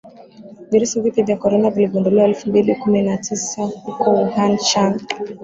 Virusi vipya vya korona viligunduliwa elfu mbili kumi na tisa huko Wuhan China